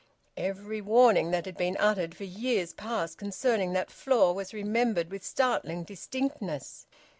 Every warning that had been uttered for years past concerning that floor was remembered with startling distinctness.